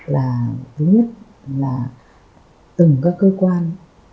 là thứ nhất là từng các cơ quan